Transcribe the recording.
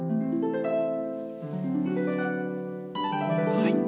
はい。